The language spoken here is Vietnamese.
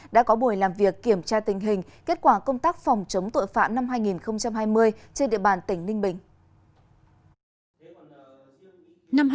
đã có buổi làm việc kiểm tra tình hình kết quả công tác phòng chống tội phạm năm hai nghìn hai mươi trên địa bàn tỉnh ninh bình